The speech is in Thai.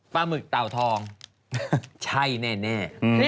ปลาหมึกเตาทองใช่แน่อร่อยแน่